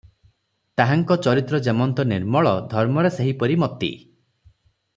ତାହାଙ୍କ ଚରିତ୍ର ଯେମନ୍ତ ନିର୍ମଳ, ଧର୍ମରେ ସେହିପରି ମତି ।